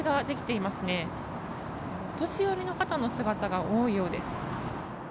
お年寄りの方の姿が多いようです。